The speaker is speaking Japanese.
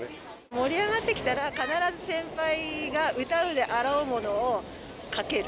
盛り上がってきたら、必ず先輩が歌うであろうものをかける。